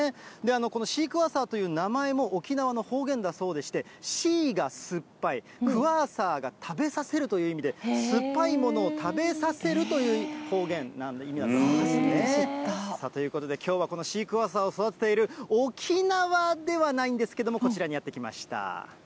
このシークワーサーという名前も沖縄の方言だそうでして、シーが酸っぱい、クワーサーが食べさせるという意味で、酸っぱいものを食べさせるという方言、意味だそうなんですね。ということで、きょうはこのシークワーサーを育てている、沖縄ではないんですけど、こちらにやって来ました。